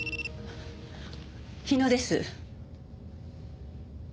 日野です。